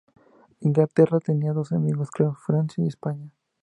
Inglaterra tenía dos enemigos claros: Francia y España.